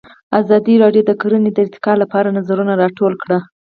ازادي راډیو د کرهنه د ارتقا لپاره نظرونه راټول کړي.